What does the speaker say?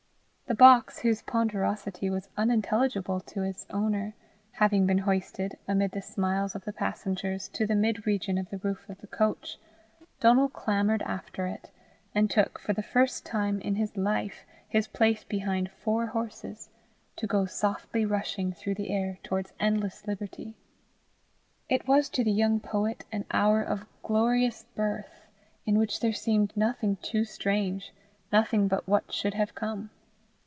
The box, whose ponderosity was unintelligible to its owner, having been hoisted, amid the smiles of the passengers, to the mid region of the roof of the coach, Donal clambered after it, and took, for the first time in his life, his place behind four horses to go softly rushing through the air towards endless liberty. It was to the young poet an hour of glorious birth in which there seemed nothing too strange, nothing but what should have come.